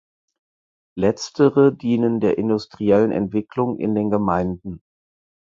Letztere dienen der industriellen Entwicklung in den Gemeinden.